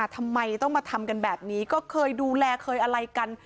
ทำไมต้องมาทำกันแบบนี้ก็เคยดูแลเคยอะไรกัน